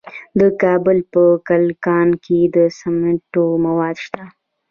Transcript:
د کابل په کلکان کې د سمنټو مواد شته.